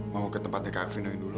mau ke tempatnya kak finoin dulu